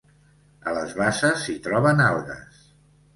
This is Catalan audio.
A les basses s'hi troben algues.